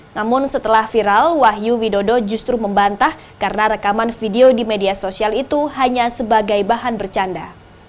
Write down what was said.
namun setelah viral wahyu widodo justru membantah karena rekaman video di media sosial itu hanya sebagai bahan bercanda